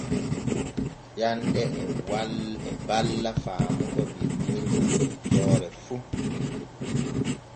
Ƴanɗe e balla faamugo binniiri der weccoore fu.